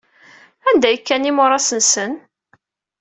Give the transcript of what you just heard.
Anda ay kkan imuras-nsen?